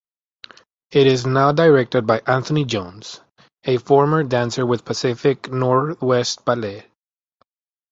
It is now directed by Anthony Jones, a former dancer with Pacific Northwest Ballet.